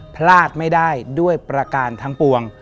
พลาดไม่ได้ด้วยประการทั้งปวง